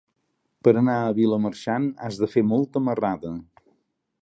Per anar a Vilamarxant has de fer molta marrada.